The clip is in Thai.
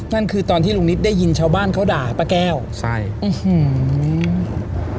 นั่นคือตอนที่ลุงนิดได้ยินชาวบ้านเขาด่าป้าแก้วใช่อื้อหือ